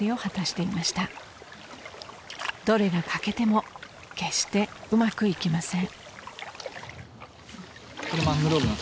［どれが欠けても決してうまくいきません］